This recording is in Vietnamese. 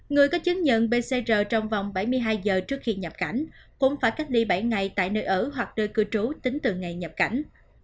người có chứng nhận bcr trong vòng bảy mươi hai giờ trước khi nhập cảnh cũng phải cách ly bảy ngày tại nơi ở hoặc nơi cư trú tính từ ngày nhập cảnh